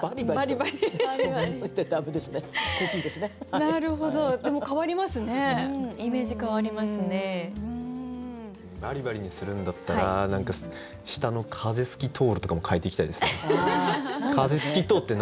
「ばりばり」にするんだったら下の「風すきとほる」とかも変えていきたいですね。